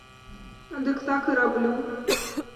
Дык так і раблю.